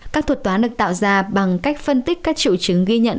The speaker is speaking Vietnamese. các thuật toán được tạo ra bằng cách phân tích các triệu chứng ghi nhận